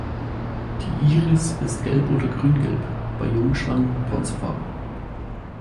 Die Iris ist gelb oder grüngelb, bei Jungschlangen bronzefarben.